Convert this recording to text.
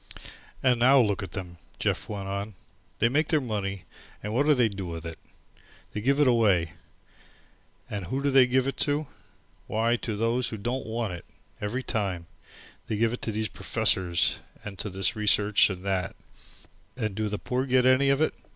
"And now look at 'em," Jeff went on. "They make their money and what do they do with it? They give it away. And who do they give it to? Why, to those as don't want it, every time. They give it to these professors and to this research and that, and do the poor get any of it?